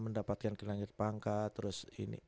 mendapatkan kelanjut pangkat terus ini